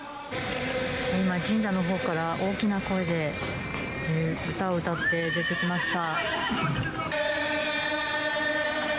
今、神社のほうから、大きな声で歌を歌って出てきました。